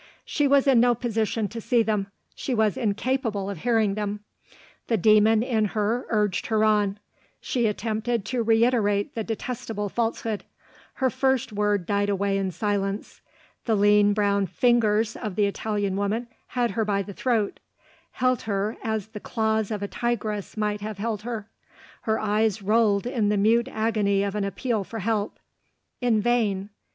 She was in no position to see them: she was incapable of hearing them. The demon in her urged her on: she attempted to reiterate the detestable falsehood. Her first word died away in silence. The lean brown fingers of the Italian woman had her by the throat held her as the claws of a tigress might have held her. Her eyes rolled in the mute agony of an appeal for help. In vain!